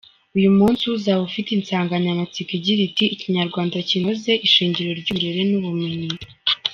Uyu munsi uzaba ufite insanganyamatsiko igira iti: “Ikinyarwanda kinoze, ishingiro ry’Uburere n’Ubumenyi ».